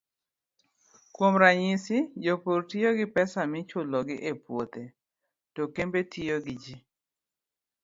Kuom ranyisi, jopur tiyo gi pesa michulogi e puothe, to kembe tiyo gi ji.